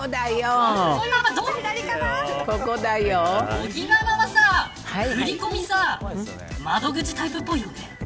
尾木ママは、振り込み窓口タイプっぽいよね。